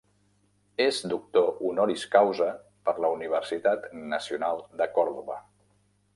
És doctor honoris causa per la Universitat Nacional de Còrdova.